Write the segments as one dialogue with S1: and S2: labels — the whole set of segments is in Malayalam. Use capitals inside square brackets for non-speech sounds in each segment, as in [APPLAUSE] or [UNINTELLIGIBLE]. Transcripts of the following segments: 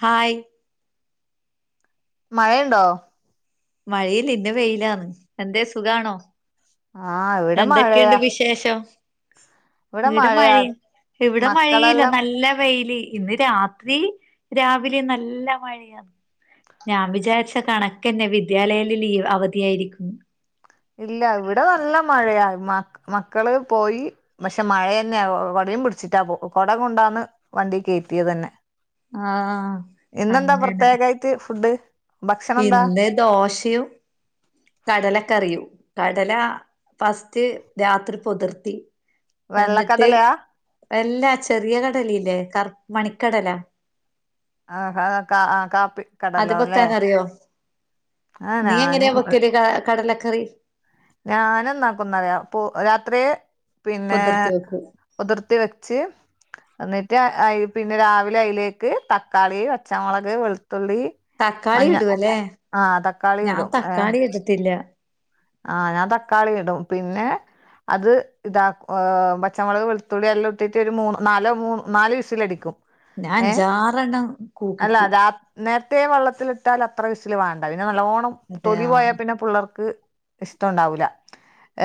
S1: ഹായ്
S2: മഴ ഉണ്ടോ
S1: മഴയില്ല ഇന്ന് വെയിലാന്ന് എന്തേ സുഖാണോ
S2: ആഹ് ഇവിടെ
S1: എന്തൊക്കെയൊണ്ട്
S2: മഴയാ
S1: വിശേഷം
S2: ഇവിടെ
S1: ഇവ്ടെ മഴ
S2: മഴയാ
S1: ഇവ്ടെ മഴയേയില്ല
S2: മക്കളെല്ലാം
S1: നല്ല വെയില് ഇന്ന് രാത്രി രാവിലേം നല്ല മഴയാ ഞാൻ വിചാരിച്ച് കണക്കന്നെ വിദ്യാലയേല് ലീവ് അവധിയായിരിക്കും
S2: ഇല്ല ഇവ്ടെ നല്ല മഴയാ മ മക്കള് പോയി. പക്ഷെ മഴ യന്നെ കൊടയും പിടിച്ചിട്ടാ പോ കൊട കൊണ്ടാന്ന് വണ്ടി കേറ്റിയത് തന്നെ.
S1: ആഹ്
S2: ഇന്ന് എന്താ
S1: അങ്ങനെ
S2: പ്രത്യേകായിട്ട് ഫുഡ്? ഭക്ഷണം എന്താ
S1: ഇന്ന് ദോശയും കടല കറിയും കടല ഫസ്റ്റ് രാത്രി പൊതിർത്തി. എന്നിട്ട്
S2: വെള്ളക്കടലയാ
S1: അല്ലാ ചെറിയ കടലയില്ലേ കർ മണിക്കടലാ
S2: ആഹ് ഹാ ആഹ് കാപ്പി കടല
S1: അത്
S2: അല്ലേ
S1: വെക്കാനറിയോ
S2: ആഹ്
S1: നീ
S2: ഞാന്
S1: എങ്ങനെയാ വെക്കല് ക കടലക്കറി?
S2: ഞാന് എന്താക്കും എന്നറിയോ പൊ രാത്രി പിന്നെ
S1: പൊതിർത്തി വെക്കും
S2: കുതിർത്തി വെച്ച് എന്നിട്ട് അയി പിന്നെ രാവിലെ അയിലേക്ക് തക്കാളി, പച്ചമൊളക് വെളുത്തുള്ളി
S1: തക്കാളി
S2: മഞ്ഞ
S1: ഇടുവല്ലേ
S2: ആഹ് തക്കാളീം ഇടും ഏഹ്
S1: വെച്ചിട്ടില്ല.
S2: ആഹ് ഞാൻ തക്കാളിടും പിന്നെ അത് ഇതാക്ക് പച്ചമൊളക് വെള്ത്തുള്ളി എല്ലാം ഇട്ടിട്ട് ഒര് മൂന്നൊ നാലോ മൂ നാല് വിസിലടിക്കും.
S1: ഞാൻ
S2: ഏഹ്
S1: അഞ്ചാറെണ്ണം
S2: അല്ല
S1: കൂക്കിക്കും.
S2: രാ നേരത്തെ വള്ളത്തിലിട്ടാ അത്ര വിസില് വാണ്ട പിന്നെ നല്ലോണം
S1: അതെയ
S2: തൊലി പോയാൽ പിന്നെ പ്ള്ളാർക്ക് ഇഷ്ട്ടംഒണ്ടാവൂല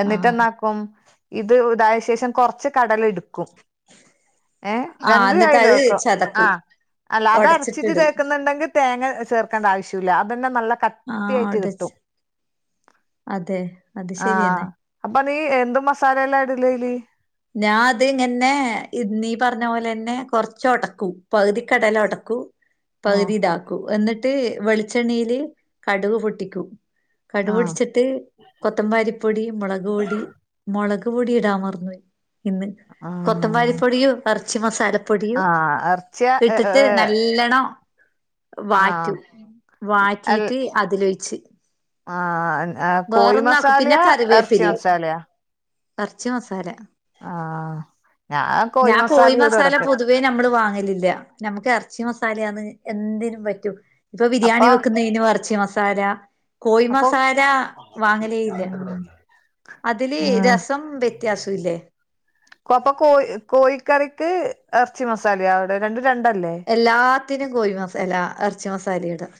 S2: എന്നിട്ട്
S1: ആഹ്
S2: എന്നാക്കും? ഇത് ഇതായ ശേഷം കൊറച്ച് കടല എട്ക്കും. ഏഹ്
S1: ആഹ്
S2: രണ്ട്
S1: എന്നിട്ട് അത്
S2: [UNINTELLIGIBLE]
S1: ചതക്കും
S2: ആഹ് അല്ല അതടച്ചിട്ട്
S1: ഒടച്ചിട്ടിടും
S2: കേക്ക്ന്ന്ണ്ടെങ്കി തേങ്ങ ചേർക്കേണ്ട ആവശ്യല്ല അതന്നെ നല്ല ക
S1: ആഹ് അടച്ച് അതെ അത് ശരിയെന്നെ
S2: ആഹ് അപ്പ നീ എന്ത് മസാല ല്ലാ ഇടല് അയില്
S1: ഞാൻ അത് ഇങ്ങന്നെ ഇ നീ പറഞ്ഞ പോലെന്നെ കൊറച്ച് ഒടക്കും പകുതി കടല ഒടക്കും
S2: ഉം
S1: പകുതി ഇതാക്കും എന്നി ട്ട് വെളിച്ചെണ്ണിയില് കടുക് പൊട്ടിക്കും കടുവ്
S2: ആഹ്
S1: പൊട്ടിച്ചിട്ട് കൊത്തമ്പാരിപ്പൊടി മൊളക് പൊടി മൊളക് പൊടി ഇടാ മറന്നുപോയ്‌. ഇന്ന് കൊത്തമ്പാലി
S2: ആഹ്
S1: പ്പൊടിയും എറച്ചി മസാലപ്പൊടിയും
S2: ആഹ് എർച്ചിയ
S1: ഇട്ടിട്ട് നല്ലണം
S2: ആഹ്
S1: വാറ്റും
S2: അൽ
S1: വാറ്റീട്ട് അതിലൊഴിച്ച്
S2: ആഹ് ഞ
S1: വേറൊന്നാക്കും
S2: കോയിമസാലയാ? എർച്ചി മസാലയാ?
S1: എർച്ചി മസാല
S2: ആഹ് ഞാൻ കോയി മസാലി ഇടും എടക്ക്
S1: അതേ ഞമ്മള് വാങ്ങലില്ല ഞമ്മക്ക് എർച്ചി മസാലാന്ന് എന്തിനും പറ്റും ഇപ്പം ബിരിയാണി
S2: അപ്പൊ
S1: വെക്ക്ന്നീനും എറച്ചി മസാല കോയി
S2: അപ്പൊ
S1: മസാല വാങ്ങലേ ഇല്ല
S2: ഉം
S1: അതില്
S2: ഉം
S1: രസ [UNINTELLIGIBLE] വ്യത്യാസോ ല്ലേ
S2: അപ്പ കോ കോഴിക്കറിക്ക് എർച്ചി മസാല അവടെ രണ്ടും രണ്ടല്ലേ?
S1: എല്ലാത്തിനും കോഴി മാസല എർച്ചി മസാലെടും.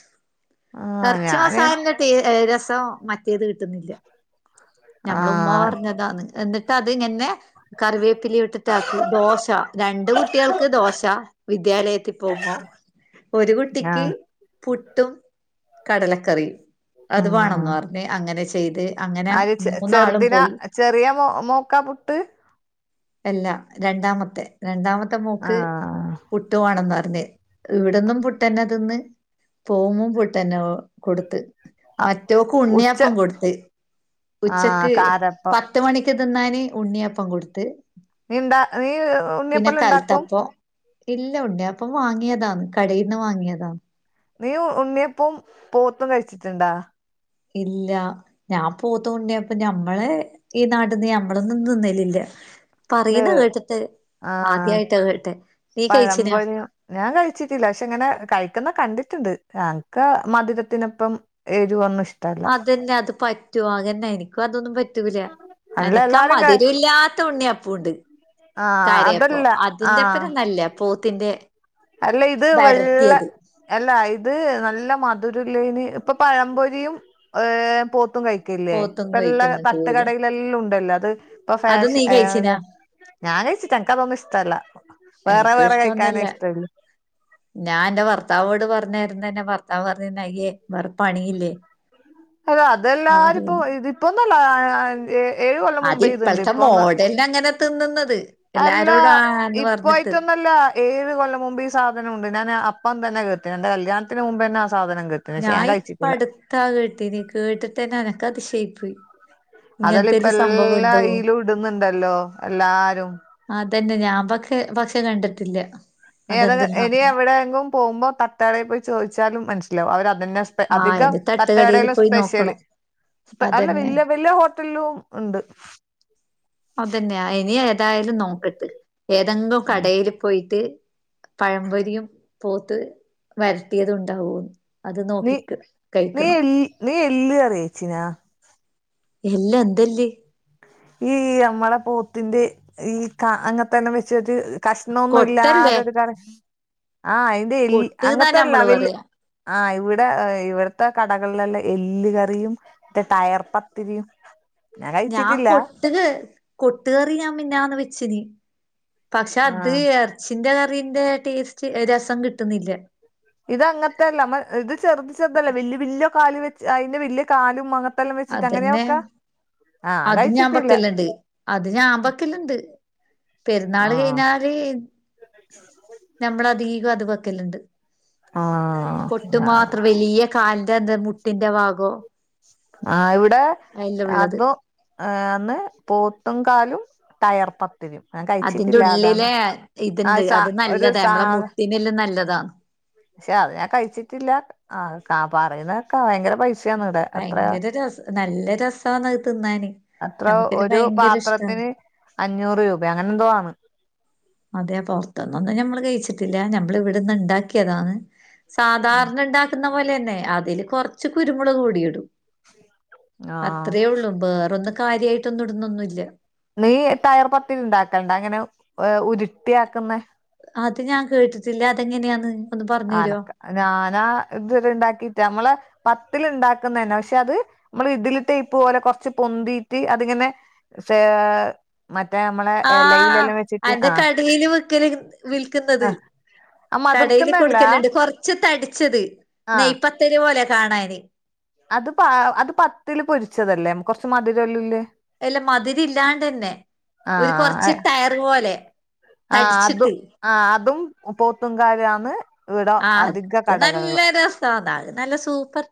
S2: ആഹ്
S1: എർച്ചി
S2: ഞാന്
S1: മസാലിന്റെ ട്ടെ രസം മ ഇത് കിട്ടന്നില്ല ഞമ്മളെ ഉമ്മ
S2: ആഹ്
S1: പറഞ്ഞതാന്ന് എന്ന്ട്ട ത് [UNINTELLIGIBLE] ങ്ങന്നെ കറിവേപ്പിലി ഇട്ട്ട്ടാക്കും ദോശ രണ്ട് കുട്ട്യാൾക്ക് ദോശ വിദ്യാലയത്തി പോവുമ്പോ ഒരു കുട്ടിക്ക്
S2: ആഹ്
S1: പുട്ടും- കടലക്കറിയും അത് വാണന്ന് പറഞ്ഞ് അങ്ങനെ ചെയ്ത് അങ്ങനെ
S2: ആര് ചെ
S1: മൂന്നാളും
S2: ചെർദിനാ
S1: പോയി
S2: ചെറ്യേ മോ മോക്കാ പുട്ട്
S1: അല്ല രണ്ടാമത്തെ രണ്ടാമത്തെ മോക്ക്
S2: ആഹ്
S1: പു ട്ട് വാണംന്ന് പർഞ്ഞ് ഇവട്ന്നും പുട്ടന്നെ തിന്ന് പോവുമ്പും പുട്ടെന്നെ കൊട്ത്ത്. മറ്റോക്ക്
S2: ഉച്ച
S1: ഉണ്ണിയപ്പം കൊട്ത്ത്
S2: ആഹ്
S1: ഉച്ചക്ക്
S2: കാരപ്പം
S1: പ ത്ത് മണിക്ക് തിന്നാന് ഉണ്ണിയപ്പം കൊട്ത്ത്.
S2: നീ ണ്ടാ നീ ഉണ്ണ്യപ്പെല്ല ണ്ടാക്കും?
S1: കലത്തപ്പം ഇല്ല ഉണ്ണിയപ്പം വാങ്ങിയതാന്ന് കടേന്ന് വാങ്ങിയതാ.
S2: നീ ഉണ്ണിയപ്പും പോത്തും കഴിച്ചിട്ട്ണ്ടാ?
S1: ഇല്ലാ ഞാം പോത്തും ഉണ്ണ്യപ്പം ഞമ്മളെ ഈ നാട്ട്ന്ന് ഞമ്മളൊന്നും തിന്നലില്ല പറിയ്ന്ന കേട്ട്ട്ട്
S2: ആഹ്
S1: ആദ്യായ്ട്ടാ കേട്ടെ നീ കയ്ച്ചീനാ
S2: പഴംപൊരിയും ഞാൻ കഴിച്ചിട്ടില്ല പക്ഷെ ഇങ്ങനെ കഴിക്ക്ന്ന കണ്ടിട്ട്ണ്ട് ഞങ്ങ്ക്ക മധ് രത്തിനൊപ്പം എരിവൊന്നുഷ്
S1: അതന്നെ അത് പറ്റോ അങ്ങന്നെ എനിക്കും അതൊന്നും പറ്റൂല
S2: അല്ല
S1: എനക്കാ
S2: എല്ലാരും ക
S1: മധുര ഇല്ലാത്ത ഉണ്ണിയപ്പൂണ്ട്
S2: ആഹ്
S1: കാര്യപ്പം
S2: അതല്ല ആഹ്
S1: അതിന്റെപ്പരം നല്ല പോത്തിന്റെ
S2: അല്ല ഇത് വെള്ള
S1: വരട്ടിയത്
S2: അല്ല ഇത് നല്ല മധുരല്ലേന് ഇപ്പ പഴംപൊരിയും ഏഹ് പോത്തും കഴി ക്കില്ലേ
S1: പോത്തും
S2: ഇപ്പെല്ലാ
S1: കോഴിക്കുന്ന് കോലും
S2: തട്ടുകടയിലെല്ലുണ്ടല്ലോ അത് ഇപ്പൊ
S1: അത് നീ
S2: ഫാഷൻ
S1: കഴിച്ചിനാ
S2: ഏഹ് ഞാൻ കയ്ച്ചിട്ട്ല എനക്ക് അതൊന്നും ഇഷ്ട്ടല്ല വേറെ
S1: എനിക്കും
S2: വേറെ കഴിക്കാനേ
S1: ഇഷ്ടൊന്നല്ല
S2: ഇഷ്ട്ടൊള്ളു.
S1: ഞാൻ ന്റെ ഭർത്താവോട് പർഞ്ഞാര്ണം എന്റെ ഭർത്താവ് പറഞ്ഞിര്ന്ന് അയ്യേ വേറെ പണിയില്ലേ
S2: അത
S1: ഞാൻ
S2: അതെല്ലാരും ഇപ്പോ
S1: പറയുന്നു.
S2: ഇതിപ്പോന്നുല്ല ഏഴ് കൊല്ലം
S1: അത്
S2: മുമ്പേ ഇത്ണ്ട്
S1: ഇപ്പഴത്തെ
S2: ഇപ്പൊന്ന
S1: മോഡലിന് അങ്ങനെ തിന്ന്ന്നത്.
S2: അല്ല ഇപ്പായ്റ്റൊന്നല്ല എഴ് കൊല്ലം മുമ്പ് ഈ സാധനമുണ്ട് ഞാന് അപ്പം തന്നെ കേട്ടിന് എന്റെ കല്യാത്തിന് മുമ്പെന്നെ ആ സാധനം കേ
S1: ഞാ ഇപ്പ അട്ത്താ കേട്ടിനി കേട്ട്ട്ടെന്നെ എനക്ക് അതിശയായി പോയി
S2: അതെല്ലാ ഇപ്പ എല്ലാ ഈലും ഇട്ന്നുണ്ടല്ലോ എല്ലാരും
S1: അതന്നെ ഞാൻ പക്കേ പക്ഷേ കണ്ട്ട്ട്ല്ല
S2: ഏത ഇനി എവടേങ്കും പോകുമ്പോ തട്ടുകടേ പോയി ചോദിച്ചാലും മനസ്സിലാവും അവര് അതന്നെ
S1: ആഹ്
S2: അധിക
S1: ഇനി തട്ടുകടയിൽ
S2: തട്ട്ക്കടേലും
S1: പോയി
S2: സ്പെഷല്.
S1: നോക്കണം
S2: സ്പെ അല്ല
S1: അതന്നെ
S2: വെല്ല്യ വെല്ല്യ ഹോ ട്ടൽലും ഇണ്ട്.
S1: അതന്നെയാ ഇനി ഏതായാലും നോക്കട്ട് ഏതെങ്കിലും
S2: ഉം
S1: കടയില് പോയിട്ട് പഴംപൊരിയും പോത്ത് വരട്ടിയതും ണ്ടാവോന്ന്.
S2: നീ നീ എൽ നീ എല്ല് കറി കൈച്ചീനോ
S1: ഇല്ല എന്തെല്ല്?
S2: ഈ യമ്മളെ പോത്തിന്റെ ഈ കാ അങ്ങത്തെല്ലാം വെച്ച്ട്ട് കഷ്ണൊന്നും
S1: കൊട്ടല്ലേ
S2: ഇല്ലാതൊരു കറി. ആഹ് അയ്ന്റെ എല്ല്
S1: കൊട്ട്ന്നാ
S2: അങ്ങൻത്തല്ല
S1: നമ്മള്
S2: വെല്ല്
S1: പറയാ
S2: ആഹ് ഇവിടെ ഇവിടത്തെ കടകളിലെല്ല എല് കറിയും. ടയർ പത്തിരിയും.
S1: ഞാൻ കൊട്ടുക് കൊട്ട്കറി ഞാൻ മിഞ്ഞാന്ന് വെച്ച്ന്. പക്ഷെ
S2: ആ
S1: അത് എർച്ചിന്റെ കറിന്റെ ടേസ്റ്റ് രസം കിട്ട്ണില്ല.
S2: ഇത് അങ്ങൻത്തെ അല്ല ഇത് ചെറുത് ചെറുതല്ല വല്യ വല്യ കാല് വെച് അയിന്റെ വല്യ കാലും അങ്ങ വെച്ചിട്ട് അങ്ങനെയാ വെക്ക.
S1: അതും ഞാൻ ബെക്കല്ണ്ട് അത് ഞാൻ ബെക്കല് ണ്ട്. പെരുന്നാൾ
S2: ആ
S1: കഴിഞ്ഞാൽ. [UNINTELLIGIBLE] നമ്മള അധീകം അതു വെക്കലുണ്ട്
S2: ആ
S1: കൊട്ട് മാത്രം വലിയ. കാലിന്റെ എ മുട്ടിന്റെ ഭാഗോ.
S2: ആഹ് ഇവിടെ
S1: അയില്ല ഉള്ളത്
S2: അതും. അന്ന് പോത്തും കാലും ടയർപ്പ [UNINTELLIGIBLE]
S1: അതിന്റെ ഉള്ളിലെ ഇത്ണ്ട്
S2: സാ
S1: അത്
S2: ഒരു
S1: നല്ലതാ
S2: സാ
S1: നമ്മളെ മുട്ടിനെല്ലാം നല്ലതാ.
S2: പക്ഷെ അത് ഞാൻ കഴിച്ചിട്ടില്ല ആ പറയുന്നക്കാ ഭയങ്കര പൈസ.
S1: ഭയങ്കര രസ നല്ല രസണ് അത് തിന്നാന്.
S2: അത്ര
S1: നമുക്കെല്ലാം
S2: ഒരു
S1: ഭയങ്കര ഇഷ്ടാണ്
S2: പാത്രത്തിന് അഞ്ഞൂറ് രൂപ അങ്ങനെ എന്തോ ആണ്.
S1: അതെ പുറത്തന്നൊന്നും ഞമ്മള് കഴിച്ചിട്ടില്ല ഞമ്മൾ ഇവിടെന്ന് ഉണ്ടാക്കിയതാണ്. സാധാരണ ഉണ്ടാക്കുന്ന പോലെന്നെ അതില് കൊറച്ച് കുരുമുളക് കൂടിയിടും.
S2: ആ
S1: അത്രയേ ഉള്ളൂ വേറൊന്നും കാര്യായിട്ടൊന്നും ഇടുന്നൊന്നുല്ല.
S2: നീ തയർ പത്തൽ ഇണ്ടാക്കണ്ട അങ്ങനെ ഉരുട്ടിയ ആക്കുന്ന.
S1: അത് ഞാൻ കേട്ടിട്ടില്ല അതെങ്ങനെയാണ്.
S2: ആനക്ക ഞാനാ ഇത്വരെ ഉണ്ടാക്കിട്ടാ നമ്മളെ പത്തിൽ ഇണ്ടാക്കുന്ന തന്നെ പക്ഷെ അത്. നമ്മൾ ഇതിലിട്ട് ഇപ്പ പോലെ കൊറച്ച് പൊന്തിട്ട് അതിങ്ങനെ. മറ്റേ നമ്മളെ
S1: ആഹ്
S2: എലെയിലെല്ലാം വെച്ചിട്ട്
S1: അന്റെ
S2: ആഹ്
S1: കടേല് വിക്കല്
S2: ആഹ് അതിർന്ന.
S1: കൊടുക്കലുണ്ട് കൊറച്ച് തടിച്ചത്
S2: ആ
S1: നെയ്പത്തരി പോലെ കാണാന്.
S2: അത് പ പത്തൽ അത് പൊരിച്ചതലാംല്ലേ കുറച്ച് മധുരംല്ലല്ലേ.
S1: അല്ല മധുര ഇല്ലാണ്ട് തന്നെ
S2: ആ
S1: ഒരു കൊറച്ച് ടയർ പോലെ.
S2: ആഹ് അതും
S1: തടിച്ചിട്ട്.
S2: ആ അതും പോത്തുംങ്കാാലന്ന് ഇട അധിക കടകളിലും.
S1: അതാക നല്ല സൂപ്പർ.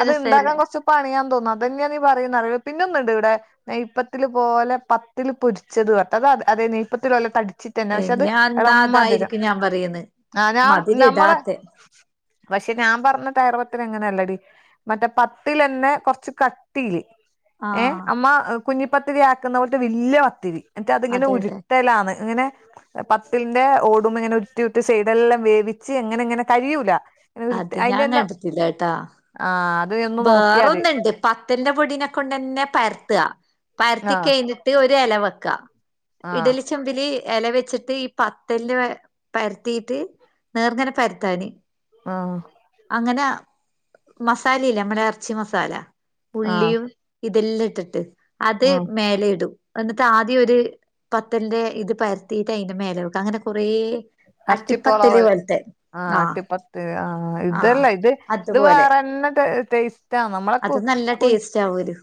S2: അത് ഉണ്ടാക്കാൻ
S1: രസല്ലേ
S2: കോറച്ച് പണിയാൻ തോന്നും അത് തന്നാ നീ [UNINTELLIGIBLE] പിന്നുണ്ട് ഇവിടെ. നെയ്യ്പത്തൽപോലെ പത്തിൽ പൊരിച്ചത് കേട്ട അ അതെ നെയ്യപ്പത്തി പോലെ തടിച്ച തന്നെ പക്ഷെ അത്
S1: ഇനി എന്നാ
S2: ഇളം മധുരം
S1: അതായിരിക്കും ഞാൻ പറയുന്നെ
S2: ആ ഞാൻ നമ്മള
S1: മധുരിടാത്തെ
S2: പക്ഷെ ഞാൻ പറഞ്ഞ തയർപ്പത്തിൽ ഇങ്ങനെയല്ലടി. മറ്റേ പത്തിൽന്നെ കൊറച്ച് കട്ടിയില് ഏ
S1: ആഹ്
S2: അമ്മ. കുഞ്ഞിപ്പത്തിരി ആക്കുന്ന പോലത്തെ വലിയ പത്തിരി എന്നിട്ട് അതിങ്ങനെ
S1: അതെ അതെ
S2: ഉരുട്ടലാണ് ഇങ്ങനെ. പതലിന്റെ ഓടുമ്പോ ഇങ്ങനെ ഉർട്ടി ഉർട്ടി സൈഡെല്ലാം വേവിച്ച് എങ്ങനെ ഇങ്ങനെ കഴൂല.
S1: അതെ ഞാൻ കണ്ടിട്ടല്ല ട്ടാ.
S2: ആഹ് അത് ഒന്ന്ന് നോക്കിയാല്.
S1: പതിരിന്റെ പൊടീനെ കൊണ്ടന്നെ പരത്തുക പരത്തി
S2: ആ
S1: കഴിഞ്ഞിട്ട് ഒരു ഇല വെക്കാ.
S2: ആ
S1: ഇഡലിച്ചെമ്പില് ഇല വെച്ചിട്ട് ഈ പത്തല് പരത്തിയിട്ട്. നേർങ്ങനെ പരുത്താന.
S2: ആഹ്.
S1: അങ്ങനെ മസാലയില്ല നമ്മടെ ഇറച്ചി മസാല
S2: ആഹ്
S1: ഉള്ളിയും. ഇതെല്ലാം ഇട്ടിട്ട് അത്
S2: ഉം
S1: മേലെ ഇടും. എന്നിട്ട് ആദ്യം ഒരു പത്തലിന്റെ ഇത് പരത്തിയിട്ട് അതിന്റെ മേല വെക്ക അങ്ങനെ കുറെ.
S2: എറച്ചിപ്പോള
S1: ആടിപ്പത്തലേ
S2: പോലെ
S1: പോൽത്തെ.
S2: ആഹ് അട്ടപ്പത്ത് ആഹ് ഇതല്ല ഇത് ഇത്
S1: അതുപോലെ
S2: വേറെന്നെ ടെസ്റ്റ്.
S1: അത് നല്ല ടേസ്റ്റ് ആവും ഓർക്ക്.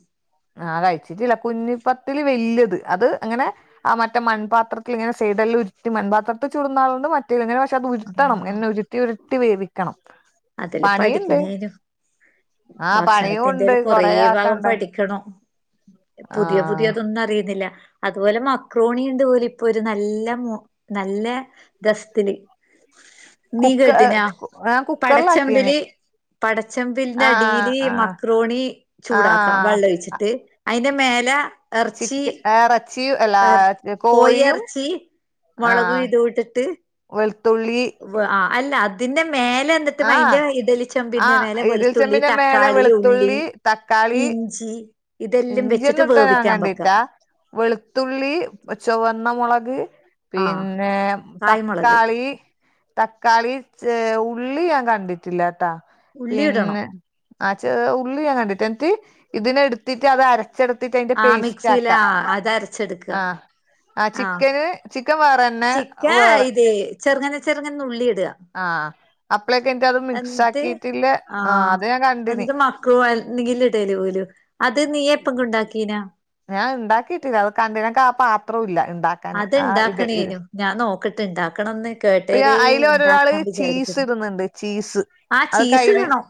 S2: ആ കഴിച്ചിട്ടില്ല കുഞ്ഞിപ്പത്തില് വല്ല്യത് അത് അങ്ങനെ ആ മറ്റേ മൺപാത്രത്തിൽ ഇങ്ങനെ സെയ്ടെല്ലാഉരുട്ടി മൺപാത്രത്തിൽ ചുടുന്നാളുണ്ട് മറ്റ- ഇങ്ങനെ പക്ഷെ അത് ഉരുട്ടണം
S1: ആഹ്
S2: ഇങ്ങനെ ഉരുട്ടി ഉരുട്ടി വേവിക്കണം
S1: അതല്ലാം
S2: പണിയുണ്ട്
S1: പഠിക്കണേനു
S2: ആഹ് പണിയുണ്ട്
S1: ഭക്ഷണത്തിന്റെല് കൊറേ ഭാഗം
S2: ആക്കണ്ടേ
S1: പഠിക്കണം പുതിയ
S2: ആഹ്
S1: പുതിയതൊന്നും അറിയുന്നില്ല അതുപോലെ മക്രോണിണ്ട് പോലും ഇപ്പൊ ഒരു നല്ല മ നല്ല രസ്ത്തില് നീ
S2: കുക്ക
S1: കേട്ടീനാ
S2: ഞാൻ കുക്കറിലാക്കീന്
S1: പടച്ചെമ്പില് പടച്ചമ്പ്ൽന്റെ
S2: ആഹ്
S1: അടീല്
S2: ആഹ്
S1: മക്രോണി ചൂടാക്കാ
S2: ആഹ്
S1: വെള്ളം ഒഴിച്ചിട്ട് അയ്ന്റെ മേലെ എറച്ചി
S2: ചിക്കൻ ഏ റെ ച്ചിയും എല്ലാ
S1: എർ കോയി
S2: കോഴിയും
S1: എറച്ചി മുളകും
S2: ആഹ്
S1: ഇതും ഇട്ടിട്ട്
S2: വെളുത്തുള്ളി
S1: ആ അല്ല അതിന്റെ മേലെ ന്ത ഇട്ട്
S2: ആഹ്
S1: അതിന്റെ ഇഡലിച്ചെമ്പിന്റെ
S2: ആഹ്
S1: മേലെ വെളുത്തുള്ളി
S2: ഇടിൽച്ചെമ്പിന്റെ മേലെ
S1: തക്കാളി ഉള്ളി
S2: വെളുത്തുള്ളി തക്കാളി
S1: ഇഞ്ചി ഇതെല്ലാം വെച്ചിട്ട്
S2: ഇഞ്ചിയൊന്നും ഇട്ട ഞാൻ
S1: വേവിക്കാൻ വെക്കാ
S2: കണ്ടിട്ടാ വെളുത്തുള്ളി ചുവന്നമൊളക്
S1: ആ
S2: പിന്നെ
S1: കായ്മുളക്
S2: തക്കാളി തക്കാളി ഉള്ളി ഞാൻ കണ്ടിട്ടില്ലട്ടാ
S1: ഉള്ളി ഇടണം
S2: പിന്നെ ആഹ് ച ഉള്ളി ഞാൻ കണ്ടിട്ടില്ല എന്നിട്ട് ഇതിനെ എടുത്തിട്ട് അത് അര- അരച്ചെടത്തിട്ട് അതിന്റെ
S1: ആ
S2: പേസ്റ്റ്
S1: മിക്സിയില
S2: ആക്കാ
S1: അത് അരച്ചെടുക്കുക
S2: ആഹ് ആഹ്
S1: ആ
S2: ചിക്കന് ചിക്കൻ വേറെന്നെ വേറെ
S1: ചെറ്ങ്ങനെ ചെറ്ങ്ങനെ നുള്ളി ഇടാ
S2: ആഹ് അപ്പളേക്കെ ന്നിട്ട് അത് മിക്സ്
S1: എന്നിട്ട്
S2: ആക്കിട്ടില്ലേ ആഹ് അത് ഞാൻ കണ്ടിന്
S1: ക്കു നീയില്ലേ ഇടയില് പോയില് അത് നീ എപ്പങ്കണ്ടാക്കീനാ?
S2: ഞാൻ ണ്ടാക്കിയിട്ടില്ല അത് കണ്ട്ന് ക്ക ആ പാത്രം ഇല്ല ഇണ്ടാ-
S1: അത് ഇണ്ടാക്കണേനു ഞാൻ നോക്കട്ട് ഇണ്ടാക്കണംന്ന് കേട്ടേരെ
S2: അയ്ല് ഒരാള്
S1: ഇണ്ടാക്കാൻ
S2: ചീസ്
S1: വിചാരിക്കുന്നു
S2: ഇടുന്നുണ്ട് ചീസ്
S1: ആഹ്
S2: അതൊക്കെ
S1: ചീസ്
S2: അയിന്
S1: ഇടണം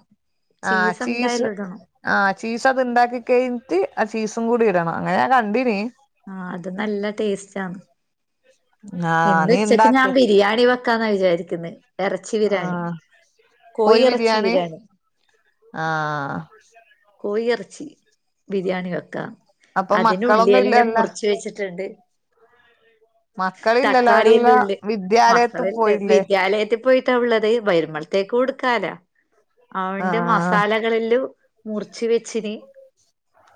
S2: ആഹ് ചീസ്
S1: എന്തായാലും ഇടണം
S2: ആഹ് ചീസ് അത് ണ്ടാക്കി കഴിഞ്ഞിട്ട് ആ ചീസും കൂടി ഇടണം അങ്ങനെ കണ്ടീന്
S1: ആഹ് അത് നല്ല ടേസ്റ്റ് ആണ്
S2: ആഹ്
S1: ഇന്ന്
S2: നീ
S1: ഉച്ചക്ക് ഞാൻ
S2: ഇണ്ടാക്ക്
S1: ബിരിയാണി വെക്കാന്നാ വിചാരിക്ന്ന് എറച്ചി ബിരിയാണി
S2: ആഹ്
S1: കോയി എറച്ചി ബിരിയാണി
S2: ആഹ്
S1: കോയി എറച്ചി ബിരിയാണി വെക്കാം
S2: അപ്പൊ മക്കളൊന്നും
S1: അതിനുള്ളിയെല്ലാം
S2: ഇല്ലല്ല
S1: മുറിച്ച് വെച്ചിട്ടുണ്ട്.
S2: മക്കളില്ലല്ലോ
S1: തക്കാളിയെല്ലാം
S2: അവരെല്ലാം
S1: ഉള്ള്
S2: വിദ്യാലയത്ത്
S1: മക്കളല്ലേ
S2: പോയില്ലേ
S1: വിദ്യാലയത്തിൽ പോയി ട്ടാ ഉള്ളത് വരുമ്പൽത്തേക്ക് കൊടുക്കാല്ല അതിന്റെ
S2: ആഹ്
S1: മസാല കളെല്ലോം മുറിച് വെച്ചിന്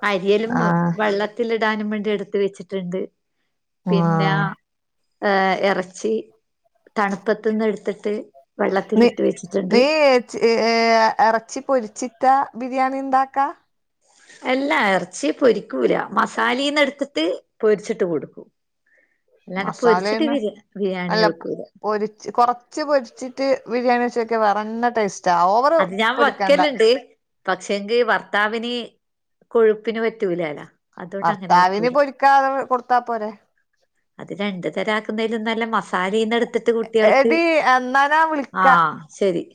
S1: അരിയെല്ലോം
S2: ആഹ്
S1: വെള്ള- ത്തിലിടാനും വേണ്ടി എടുത്ത് വെച്ചിട്ടുണ്ട് പിന്ന
S2: ആഹ്
S1: ഏ എറച്ചി തണുപ്പത്തുന്ന് എടുത്തിട്ട് വെള്ളത്തിലിട്ട് വെച്ചിട്ട്ണ്ട്.
S2: ച് ഏ എറച്ചി പൊരിച്ചിട്ടാ ബിരിയാണി ണ്ടാക്കാ?
S1: അല്ലാ എറച്ചി പൊരിക്കൂല മസാലീന്ന് എടുത്തിട്ട് പൊരിച്ചിട്ട് കൊടുക്കൂ
S2: മസാലെന്ന്
S1: ബിരിയാണി
S2: അല്ല
S1: വെക്കൂല
S2: പൊരിച്ച് കൊറ ച്ച് പൊരിച്ചിട്ട് ബിരിയാണി വച്ച്നോക്കാ വേറന്ന ടേസ്റ്റ്
S1: അത് ഞാൻ വക്കല്ണ്ട് പക്ഷെങ്കി ഭർത്താവിന് കൊഴുപ്പിന് പറ്റൂലല്ല
S2: ഭർത്താവിന് പൊരിക്കാതെ കൊട്ത്താ പോരെ.
S1: അത് രണ്ട് തരാക്കുന്നയ്ലും നല്ല മസാലയ്ന്ന്ട്ത്ത് ത്ത് കുട്ട്യെൾക്ക്
S2: എടി എന്നാ ഞാൻ വിളിക്കാ
S1: ആഹ് ശെരി.